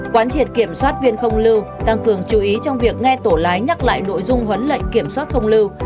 quán triệt kiểm soát viên không lưu tăng cường chú ý trong việc nghe tổ lái nhắc lại nội dung huấn lệnh kiểm soát không lưu